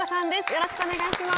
よろしくお願いします。